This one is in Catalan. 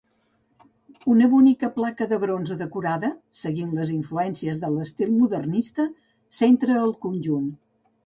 Una bonica placa de bronze decorada, seguint les influències de l'estil modernista, centra el conjunt.